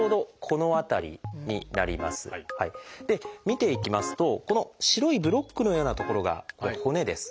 見ていきますとこの白いブロックのようなところが骨です。